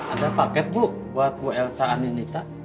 ada paket bulu buat bu elsa aninita